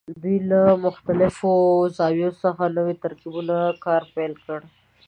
دوی له مختلفو زاویو څخه نوو ترکیبونو کار پیل کړ.